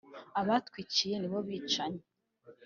Abatwiciye ni bo bicanyi